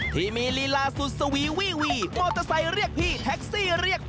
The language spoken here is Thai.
ที่มีลีลาสุดสวีวี่วีมอเตอร์ไซค์เรียกพี่แท็กซี่เรียก